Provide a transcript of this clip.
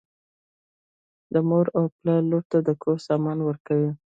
مور او پلار لور ته د کور سامان ورکوي.